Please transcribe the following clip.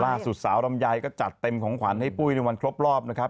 สาวลำไยก็จัดเต็มของขวัญให้ปุ้ยในวันครบรอบนะครับ